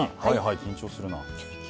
緊張するな。